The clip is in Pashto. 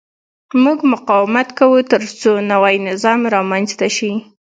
موږ مقاومت کوو ترڅو نوی نظام رامنځته شي.